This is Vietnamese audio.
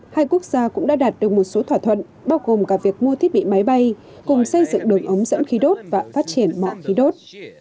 hai quốc gia cũng đã đạt được một số thỏa thuận bao gồm cả việc mua thiết bị máy bay cùng xây dựng đường ống dẫn khí đốt và phát triển mạng khí đốt